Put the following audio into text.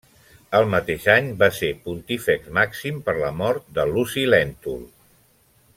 El mateix any va ser Pontífex Màxim per la mort de Luci Lèntul.